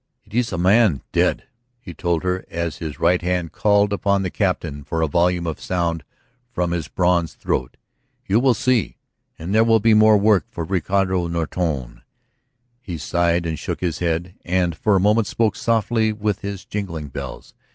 "It is a man dead," he told her as his right hand called upon the Captain for a volume of sound from his bronze throat. "You will see. And there will be more work for Roderico Nortone!" He sighed and shook his head, and for a moment spoke softly with his jangling bells.